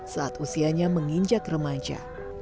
saat usianya menginjak remaja